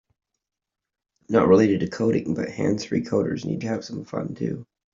Not related to coding, but hands-free coders need to have some fun too.